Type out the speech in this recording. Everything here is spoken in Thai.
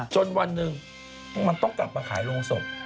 จนวันหนึ่งมันต้องกลับมาขายโรงศพ